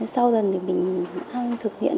sau dần thì mình thực hiện